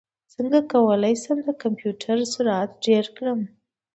څنګه کولی شم د کمپیوټر سرعت ډېر کړم